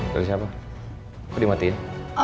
dari siapa aku dimatikan